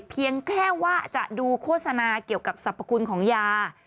เพียงแค่ว่าจะดูโฆษณาเกี่ยวกับสรรพคุณของยา